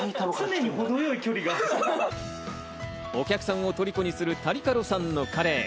お客さんを虜にするタリカロさんのカレー。